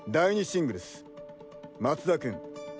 シングルス松田君。